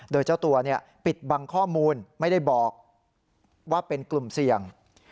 โดยเจ้าตัวปิดบังข้อมูลไม่ได้บอกว่าเป็นกลุ่มเสี่ยง